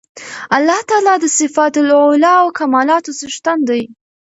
الله تعالی د صفات العُلی او کمالاتو څښتن دی